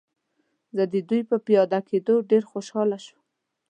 زه د دوی په پیاده کېدو ډېر خوشحاله شوم.